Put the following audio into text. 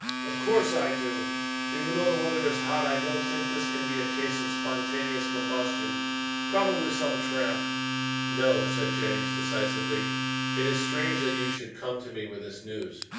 "Of course I do. Even though the weather is hot, I don't think this can be a case of spontaneous combustion. Probably some tramp " "No," said Jennings decisively, "it is strange you should come to me with this news.